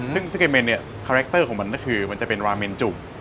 ซึ่งซิเกเมนเนี่ยคาแรคเตอร์ของมันก็คือมันจะเป็นราเมนจุ่ม